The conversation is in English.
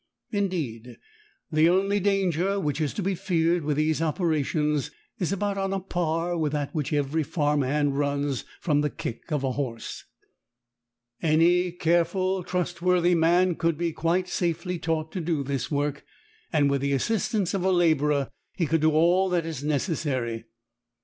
Indeed the only danger which is to be feared with these operations is about on a par with that which every farm hand runs from the kick of a horse. Any careful, trustworthy man could be quite safely taught to do this work, and with the assistance of a labourer he could do all that is necessary.